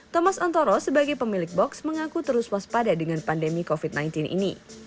thomas antoro sebagai pemilik box mengaku terus waspada dengan pandemi covid sembilan belas ini